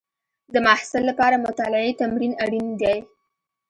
د محصل لپاره مطالعې تمرین اړین دی.